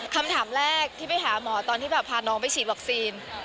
คำถามแรกที่ไปหาหมอตอนที่แบบพาน้องไปฉีดวัคซีน